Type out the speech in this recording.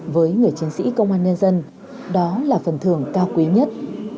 với người chiến sĩ công an nhân dân đó là phần thưởng cao quý nhất